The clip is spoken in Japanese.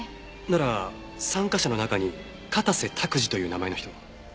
なら参加者の中に片瀬卓治という名前の人は？